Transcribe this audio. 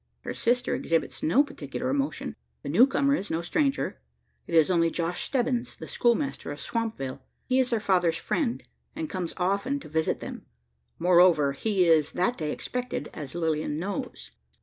Her sister exhibits no particular emotion. The new comer is no stranger: it is only Josh Stebbins, the schoolmaster of Swampville. He is their father's friend, and comes often to visit them: moreover, he is that day expected, as Lilian knows.